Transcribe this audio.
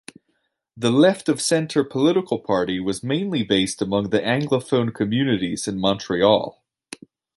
This left-of-centre political party was mainly based among the anglophone communities in Montreal.